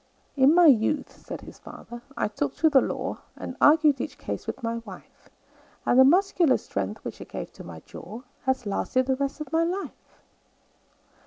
"In my youth," said his fater, "I took to the law, And argued each case with my wife; And the muscular strength, which it gave to my jaw, Has lasted the rest of my life."